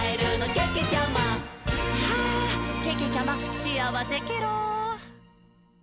けけちゃま、しあわせケロ！」